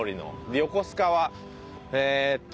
横須賀はえっと